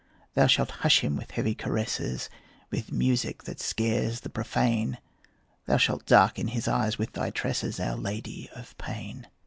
Thou shalt hush him with heavy caresses, With music that scares the profane; Thou shalt darken his eyes with thy tresses, Our Lady of Pain.